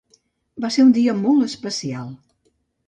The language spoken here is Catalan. Va ser un dia molt especial.